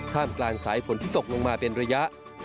กลางสายฝนที่ตกลงมาเป็นระยะ